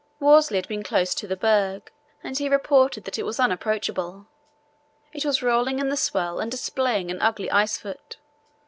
Worsley had been close to the berg, and he reported that it was unapproachable. It was rolling in the swell and displaying an ugly ice foot.